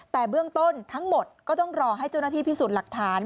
แต่เบื้องต้นทั้งหมดก็ต้องรอให้เจ้าหน้าที่พิสูจน์หลักฐาน